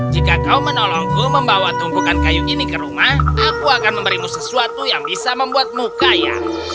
jika kau menolongku membawa tumpukan kayu ini ke rumah aku akan memberimu sesuatu yang bisa membuatmu kaya